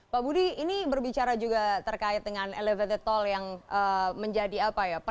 pak budi ini berbicara juga terkait dengan elevated toll yang menjadi apa ya